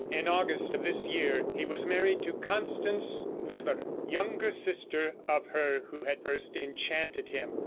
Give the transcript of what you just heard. In August of this year he was married to Constance Weber, younger sister of her who had first enchanted him.